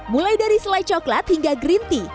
mulai dari selai coklat hingga green tea